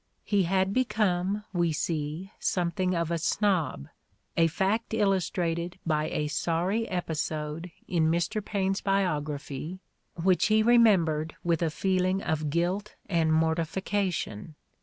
He had become, we see, something of a snob: a fact illustrated by a sorry episode in Mr. Paine 's biography which he remembered with a feeling of guilt and mortification.